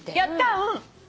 うん。